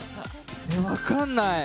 分かんない。